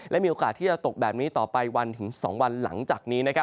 และมีโอกาสที่จะตกแบบนี้ต่อไปวันถึง๒วันหลังจากนี้